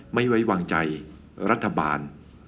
ไม่ไว้วางใจรัฐบาล